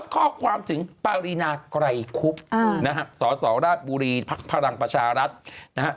ข้อความถึงปารีนาไกรคุบนะฮะสสราชบุรีภักดิ์พลังประชารัฐนะฮะ